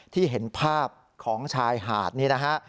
ที่เห็นภาพของชายหาดนี้นะฮะ